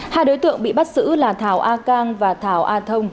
hai đối tượng bị bắt giữ là thảo a cang và thảo a thông